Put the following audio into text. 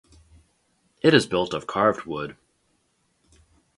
It is built of carved wood.